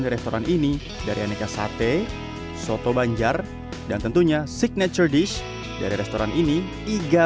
restoran ini dari aneka sate soto banjar dan tentunya signature dish dari restoran ini iga